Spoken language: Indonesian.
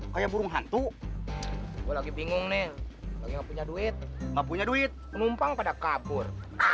kayak burung hantu gue lagi bingung nih lagi nggak punya duit gak punya duit penumpang pada kabur